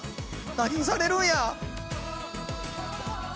何されるんや！